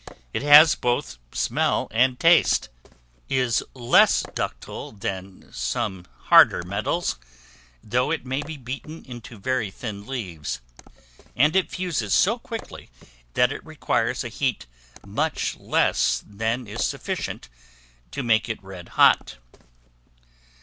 It has both smell and taste; is less ductile than some harder metals, though it may be beaten into very thin leaves; and it fuses so quickly, that it requires a heat much less than is sufficient to make it red hot.